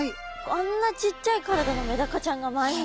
あんなちっちゃい体のメダカちゃんが毎日ですか？